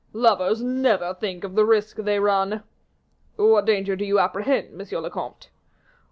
"Lovers never think of the risk they run." "What danger do you apprehend, monsieur le comte?"